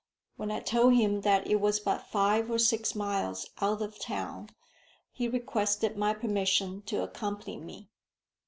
When I told him that it was but five or six miles out of town, he requested my permission to accompany me.